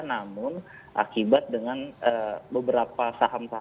namun akibat dengan beberapa saham saham yang berubah